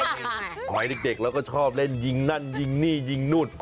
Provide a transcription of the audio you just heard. สมัยเด็กเราก็ชอบเล่นยิงนั่นยิงนี่ยิงนู่น